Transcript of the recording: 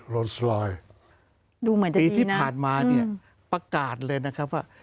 โรนสลอยดูเหมือนจริงปีที่ผ่านมาเนี่ยประกาศเลยนะครับว่า